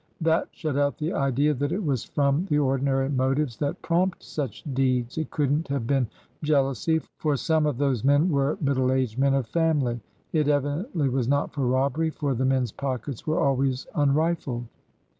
That shut out the idea that it was from the ordinary motives that prompt such deeds. It could n't have been jealousy, for some of those men were middle aged men of family. It evidently was not for robbery, for the men's pockets were always unrified."